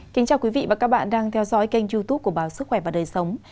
kính chào quý vị và các bạn đang theo dõi kênh youtube của báo sức khỏe và đời sống